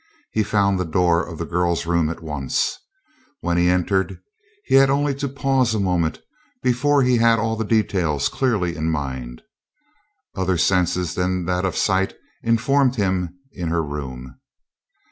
He found the door of the girl's room at once. When he entered he had only to pause a moment before he had all the details clearly in mind. Other senses than that of sight informed him in her room.